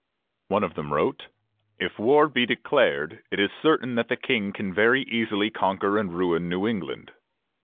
One of them wrote: "If war be declared, it is certain that the King can very easily conquer and ruin New England."